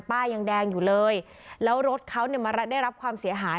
ป้ายยังแดงอยู่เลยแล้วรถเขาเนี่ยมาได้รับความเสียหาย